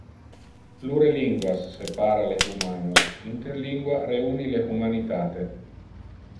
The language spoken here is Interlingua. Plure linguas separa le humanos, interlingua reuni le humanitate